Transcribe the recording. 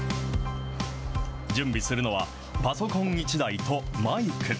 準備するのは、パソコン１台とマイク。